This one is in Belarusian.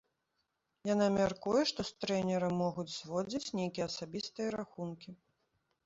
Яна мяркуе, што з трэнерам могуць зводзіць нейкія асабістыя рахункі.